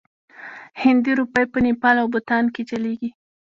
هندي روپۍ په نیپال او بوتان کې چلیږي.